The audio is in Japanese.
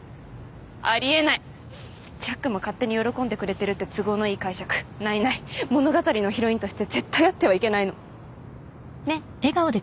ありえないジャックも勝手に喜んでくれてるって都合のいい解釈ないない物語のヒロインとして絶対あってはいけないのねっ